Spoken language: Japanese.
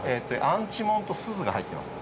アンチモンとスズが入ってます。